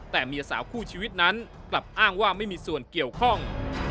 แต่เมียสาวคู่ชีวิตนั้นกลับอ้างว่าไม่มีส่วนเกี่ยวข้อง